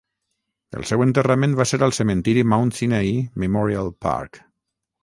El seu enterrament va ser al cementiri Mount Sinai Memorial Park.